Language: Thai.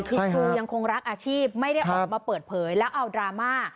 คือครูยังคงรักอาชีพไม่ได้ออกมาเปิดเผยแล้วเอาดราม่า